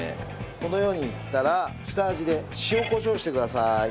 このようにいったら下味で塩コショウしてください。